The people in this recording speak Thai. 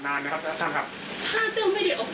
ถ้าเจ้าไม่ได้ออกจากโลกนี้แค่๑อาทิบหรือ๑วัน